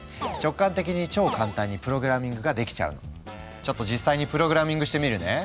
ちょっと実際にプログラミングしてみるね。